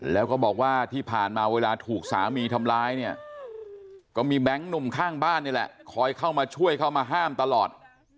แล้วก็บอกว่าที่ผ่านมาเวลาถูกสามีทำร้ายเนี่ยก็มีแบงค์หนุ่มข้างบ้านนี่แหละคอยเข้ามาช่วยเข้ามาห้ามตลอด